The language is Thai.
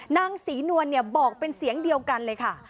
นางศรีนวลบอกเป็นเสียงเดียวกันเลยค่ะ